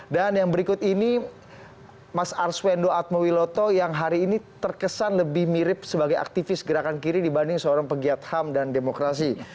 dan yang berikut ini mas arswendo atmawiloto yang hari ini terkesan lebih mirip sebagai aktivis gerakan kiri dibanding seorang pegiat ham dan demokrasi